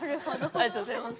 ありがとうございます。